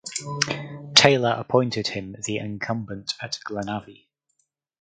Taylor appointed him the incumbent at Glenavy.